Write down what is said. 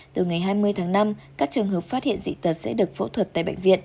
từ ngày hai mươi tháng năm các trường hợp phát hiện dị tật sẽ được phẫu thuật tại bệnh viện